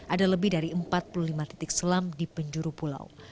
ada lebih dari empat puluh lima titik selam di penjuru pulau